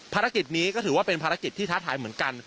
ภารกิจนี้ก็ถือว่าเป็นภารกิจที่ท้าทายเหมือนกัน